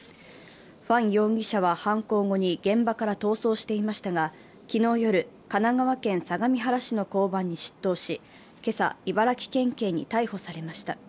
ファン容疑者は犯行後に現場から逃走していましたが昨日夜、神奈川県相模原市の交番に出頭し、今朝、茨城県警に逮捕されました。